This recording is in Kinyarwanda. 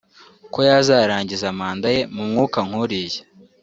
ko yazarangiza mandat ye mu mwuka nkuriya